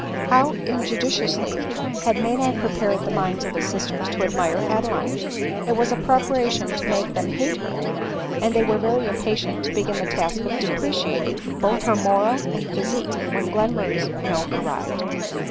How injudiciously had Maynard prepared the minds of his sisters to admire Adeline ! It was a preparation to make them hate her ; and they were very impatient to begin the task of depreciating both her morale and physi que, when Glenmurray's note arrived.